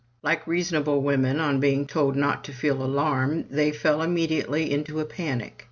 Like reasonable women, on being told not to feel alarm they fell immediately into a panic.